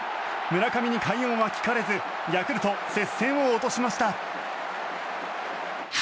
村上に快音は聞かれずヤクルト、接戦を落としました。